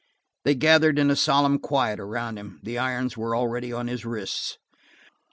They gathered in a solemn quiet around him; the irons were already upon his wrists.